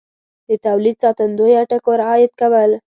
د تولید ساتندویه ټکو رعایت کول